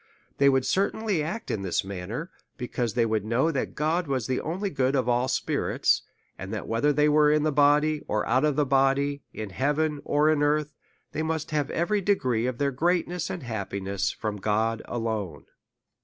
34S A SERIOUS CALL TO A They would certainly act in this manner, because they would know that God was the only good of all spirits ; and that whether they were in the body or out of the body, in heaven or on earth, they must have every degree of their greatness and happiness from God alone.